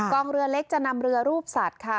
เรือเล็กจะนำเรือรูปสัตว์ค่ะ